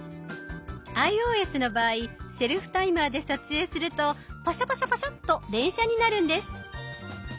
ｉＯＳの場合セルフタイマーで撮影するとパシャパシャパシャッと連写になるんです。